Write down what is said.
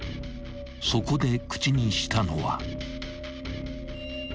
［そこで口にしたのは］